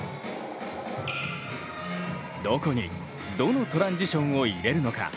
どこにどのトランジションを入れるのか。